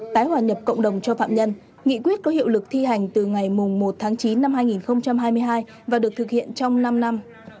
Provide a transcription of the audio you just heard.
tái hòa nhập cộng đồng cho phạm nhân nghị quyết có hiệu lực thi hành từ ngày một tháng chín năm hai nghìn hai mươi hai và được thực hiện trong năm năm